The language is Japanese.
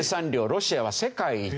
ロシアは世界一。